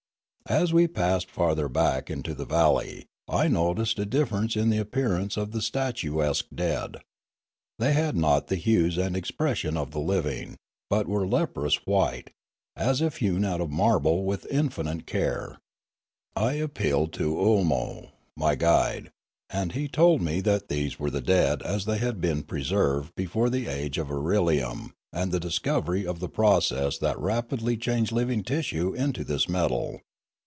As we passed farther back into the valley I noticed a differ ence in the appearance of the statuesque dead; they had not the hues and expression of the living, but were leprous white, as if hewn out of marble with infinite care. I appealed to Oolino, my guide, and he told me that these were their dead as they had been preserved before the age of irelium and the discovery of the process that rapidly changed living tissue into this metal.